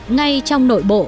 ngay trong nội bộ